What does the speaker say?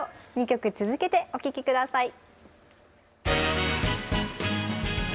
２曲続けてお聴き下さい。